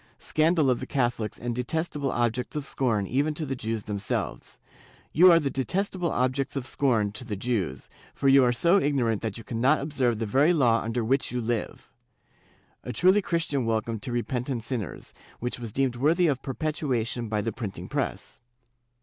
Scandal of the Catholics and detestable objects of scorn even to the Jews themselves! .... You are the detestable objects of scorn to the Jews, for you are so ignorant that you cannot observe the very law under which you live" — a truly Christian welcome to repen tant sinners, which was deemed worthy of perpetuation by the printing press.